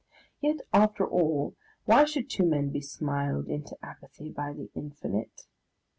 Yet, after all, why should two men be smiled into apathy by the Infinite?